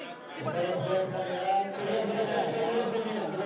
dibandingkan dengan keadaan indonesia seluruh dunia